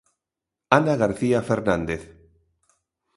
Ana García Fernández.